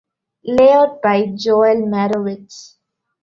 Layout by Joel Marrowitz.